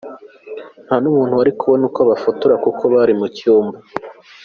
Nta n’umuntu wari kubona uko abafotora kuko bari mu cyumba.